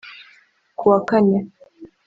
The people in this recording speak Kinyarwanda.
Ku wa Kane